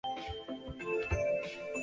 内蒂答应写信后被迫离开。